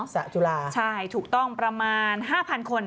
สระจุฬาใช่ถูกต้องประมาณ๕๐๐คน